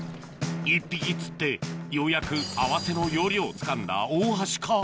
１匹釣ってようやく合わせの要領をつかんだ大橋か？